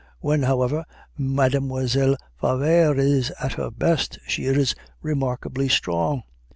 When, however, Mademoiselle Favart is at her best, she is remarkably strong.